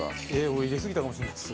俺入れすぎたかもしれないです。